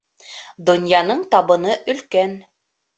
Донъяның табыны өлкән.